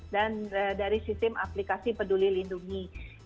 dan dari sistem aplikasi peduli lindungi